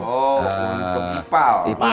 ada pesanan atau filter loh